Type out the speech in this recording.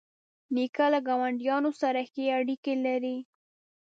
نیکه له ګاونډیانو سره ښې اړیکې لري.